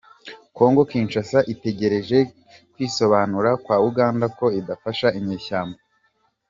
Congo Kinshasa itegereje kwisobanura kwa Uganda ko idafasha inyeshyamba